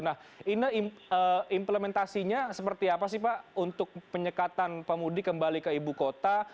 nah ini implementasinya seperti apa sih pak untuk penyekatan pemudik kembali ke ibu kota